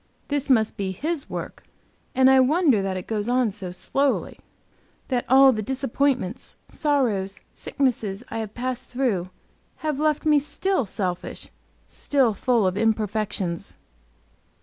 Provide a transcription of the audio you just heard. This must be His work, and I wonder that it goes on so slowly; that all the disappointments, sorrows, sicknesses I have passed through, have left me still selfish, still full of imperfections.